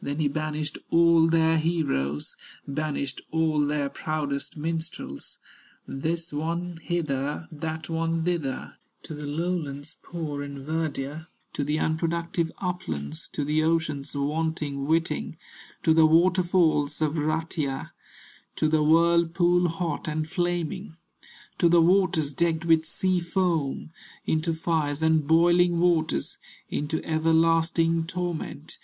Then he banished all their heroes, Banished all their proudest minstrels, This one hither, that one thither, To the lowlands poor in verdure, To the unproductive uplands, To the oceans wanting whiting, To the waterfalls of Rutya, To the whirlpool hot and flaming, To the waters decked with sea foam, Into fires and boiling waters, Into everlasting torment.